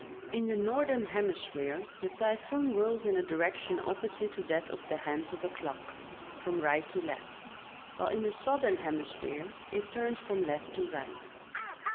In the northern hemisphere the typhoon whirls in a direction opposite to that of the hands of a clock, from right to left, while in the southern hemisphere it turns from left to right.